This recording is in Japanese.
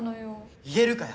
言えるかよ！